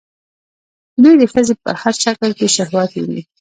دوی د ښځې په هر شکل کې شهوت ويني